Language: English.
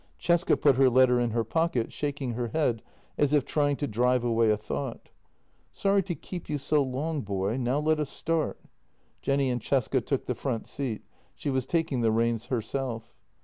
Cesca put her letter in her pocket, shaking her head as if trying to drive away a thought. " Sorry to keep you so long, boy — now let us start." Jenny and Cesca took the front seat; she was taking the reins herself.